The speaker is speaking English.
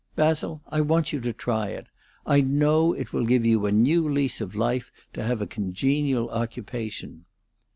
Basil, I want you to try it! I know it will give you a new lease of life to have a congenial occupation."